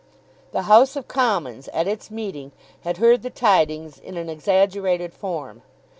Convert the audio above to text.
The House of Commons, at its meeting, had heard the tidings in an exaggerated form.